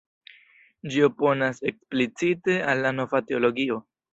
Ĝi oponas eksplicite al la Nova Teologio.